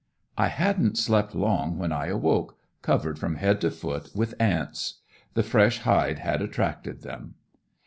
I hadn't slept long when I awoke, covered from head to foot with ants. The fresh hide had attracted them.